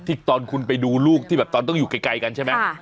ที่ตอนคุณไปดูลูกที่ต้องอยู่ไกลกันใช่ไหม